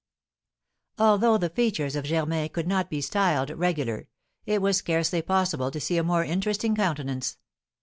Although the features of Germain could not be styled regular, it was scarcely possible to see a more interesting countenance.